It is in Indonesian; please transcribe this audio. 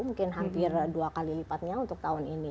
mungkin hampir dua kali lipatnya untuk tahun ini